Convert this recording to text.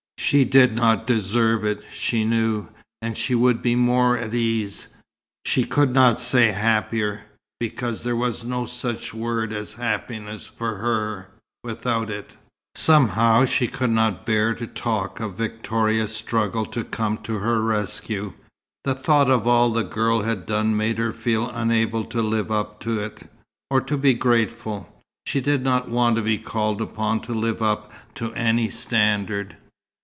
She did not deserve it, she knew, and she would be more at ease she could not say happier, because there was no such word as happiness for her without it. Somehow she could not bear to talk of Victoria's struggle to come to her rescue. The thought of all the girl had done made her feel unable to live up to it, or be grateful. She did not want to be called upon to live up to any standard.